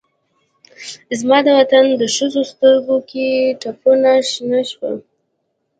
زما دوطن د ښځوسترګوکې ټپونه شنه شوه